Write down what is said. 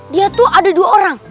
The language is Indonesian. dia tuh ada dua orang